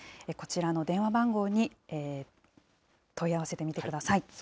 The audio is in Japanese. こちらの電話番号に問い合わせてみてください。